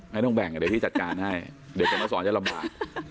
ไม่ต้องแบ่งเดี๋ยวพี่จัดการให้เดี๋ยวกลับมาสอนจะลำบาก